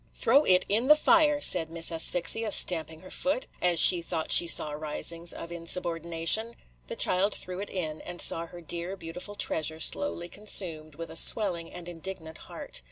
"Throw it in the fire," said Miss Asphyxia, stamping her foot, as she thought she saw risings of insubordination. The child threw it in, and saw her dear, beautiful treasure slowly consumed, with a swelling and indignant heart.